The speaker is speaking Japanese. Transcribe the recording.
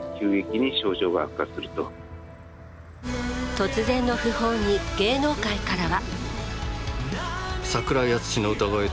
突然の訃報に芸能界からは。